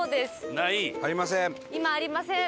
今ありません。